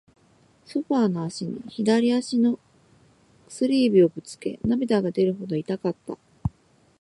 ソファーの脚に、左足の薬指をぶつけ、涙が出るほど痛かった。